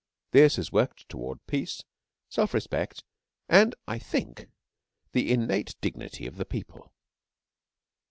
This has worked toward peace, self respect, and, I think, the innate dignity of the people.